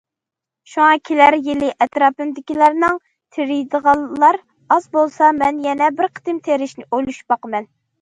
شۇڭا، كېلەر يىلى ئەتراپىمدىكىلەرنىڭ تېرىيدىغانلار ئاز بولسا، مەن يەنە بىر قېتىم تېرىشنى ئويلىشىپ باقىمەن.